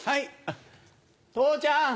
父ちゃん